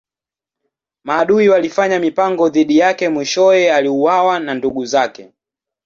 Maadui walifanya mipango dhidi yake mwishowe aliuawa na ndugu zake.